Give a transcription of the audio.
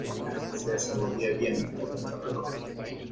Se desenvolvía bien en la contrarreloj.